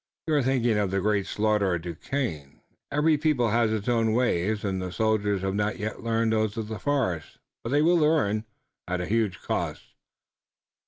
"You are thinking of the great slaughter at Duquesne. Every people has its own ways, and the soldiers have not yet learned those of the forest, but they will learn." "At a huge cost!"